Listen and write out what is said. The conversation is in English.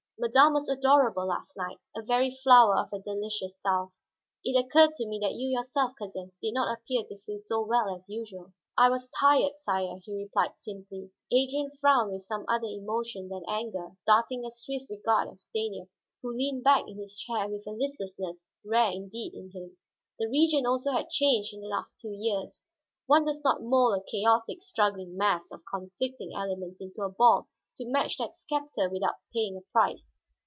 Madame was adorable last night, a very flower of her delicious South. It occurred to me that you yourself, cousin, did not appear to feel so well as usual." "I was tired, sire," he replied simply. Adrian frowned with some other emotion than anger, darting a swift regard at Stanief, who leaned back in his chair with a listlessness rare indeed in him. The Regent also had changed in the last two years; one does not mold a chaotic, struggling mass of conflicting elements into a ball to match the scepter without paying a price.